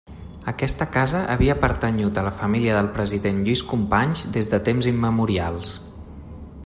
Aquesta casa havia pertanyut a la família del president Lluís Companys des de temps immemorials.